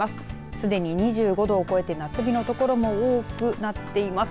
すでに２５度を超えて夏日の所も多くなっています。